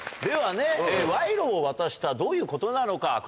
ではワイロを渡したどういうことなのか？